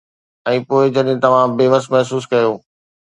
۽ پوءِ جڏهن توهان بيوس محسوس ڪيو.